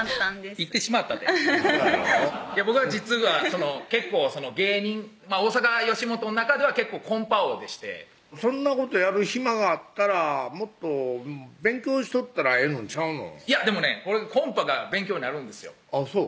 「行ってしまった」って僕実は結構芸人大阪吉本の中では結構コンパ王でしてそんなことやる暇があったらもっと勉強しとったらええのんちゃうのでもねコンパが勉強になるんですよ